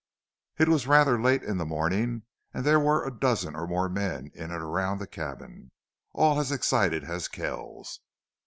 It was rather late in the morning and there were a dozen or more men in and around the cabin, all as excited as Kells.